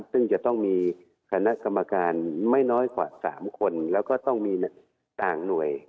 ซึ่งจะต้องมีคณะกรรมการไม่น้อยกว่า๓คนแล้วก็ต้องมีต่างหน่วย